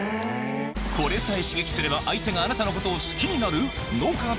これさえ刺激すれば相手があなたのことを好きになる？